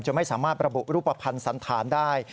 ไม่สามารถระบุรูปภัณฑ์สันธารได้